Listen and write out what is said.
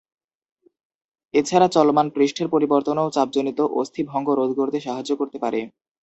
এছাড়া, চলমান পৃষ্ঠের পরিবর্তনও চাপজনিত অস্থি ভঙ্গ রোধ করতে সাহায্য করতে পারে।